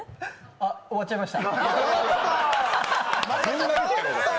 あ、終わっちゃいました。